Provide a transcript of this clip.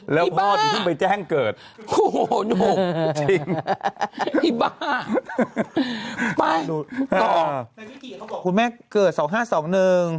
แล้วพ่อถึงขึ้นไปแจ้งเกิดโอ้โหจริงไปต่อคุณแม่เกิดสองห้าสองหนึ่ง